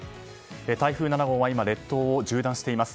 台風７号は今、列島を縦断しています。